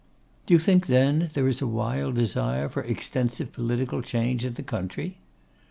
'Do you think, then, there is a wild desire for extensive political change in the country?